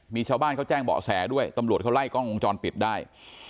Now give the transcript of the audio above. มีชาวบ้านเขาแจ้งเบาะแสด้วยตำรวจเขาไล่กล้องวงจรปิดได้